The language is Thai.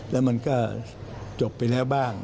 แล้วมันก็จบไปแล้วบ้าง